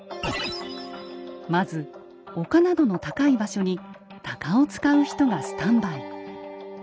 まず丘などの高い場所に鷹を使う人がスタンバイ。